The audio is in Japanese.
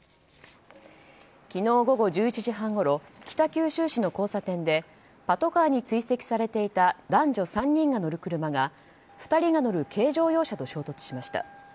昨日午後１時半ごろ北九州市の交差点でパトカーに追跡されていた男女３人が乗る車が２人が乗る軽乗用車と衝突しました。